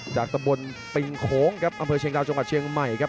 จากตำบลปิงโค้งครับอำเภอเชียงดาวจังหวัดเชียงใหม่ครับ